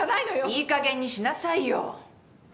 いいかげんにしなさいよ。